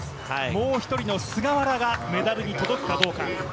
もう１人の菅原がメダルに届くかどうか。